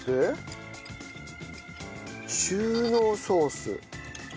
中濃ソース。